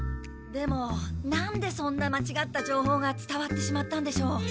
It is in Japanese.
でもなんでそんなまちがった情報がつたわってしまったんでしょう？